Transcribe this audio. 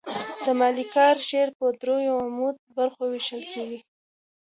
د ملکیار شعر په دریو عمده برخو وېشل کېږي.